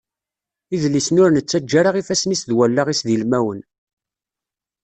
Idlisen ur nettaǧa ara ifassen-is d wallaɣ-is d ilmawen.